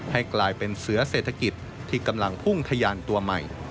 ให้กลายเป็นเสือเศรษฐกิจที่กำลังพุ่งทะยานตัวใหม่